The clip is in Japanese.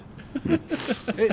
えっ？